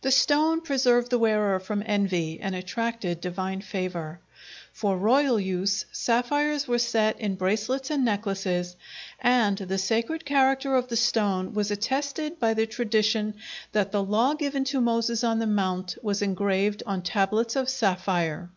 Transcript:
The stone preserved the wearer from envy and attracted divine favor. For royal use, sapphires were set in bracelets and necklaces, and the sacred character of the stone was attested by the tradition that the Law given to Moses on the Mount was engraved on tablets of sapphire.